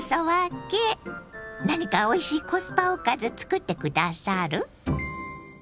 何かおいしいコスパおかずつくって下さる？